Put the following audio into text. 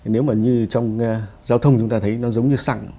nếu mà như trong giao thông chúng ta thấy nó giống như sẵn